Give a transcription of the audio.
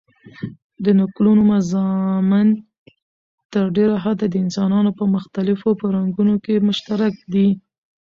د نکلونو مضامن تر ډېره حده دانسانانو په مختلیفو فرهنګونو کښي مشترک دي.